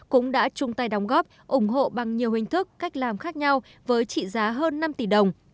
cũng đã chung tay đóng góp ủng hộ bằng nhiều hình thức cách làm khác nhau với trị giá hơn năm tỷ đồng